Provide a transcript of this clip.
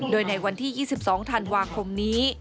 โดยในวันที่๒๒ธันวาคมนี้